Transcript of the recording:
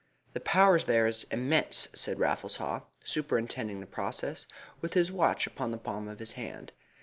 "The power there is immense," said Raffles Haw, superintending the process, with his watch upon the palm of his hand.